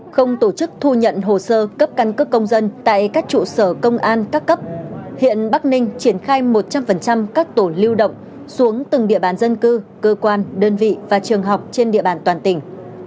không tổ chức thu nhận hồ sơ cấp căn cước công dân tại các trụ sở công an các cấp hiện bắc ninh triển khai một trăm linh các tổ lưu động xuống từng địa bàn dân cư cơ quan đơn vị và trường học trên địa bàn toàn tỉnh